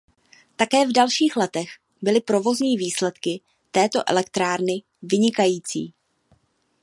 Také v dalších letech byly provozní výsledky této elektrárny vynikající.